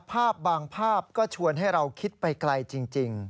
ภาพบางภาพก็ชวนให้เราคิดไปไกลจริง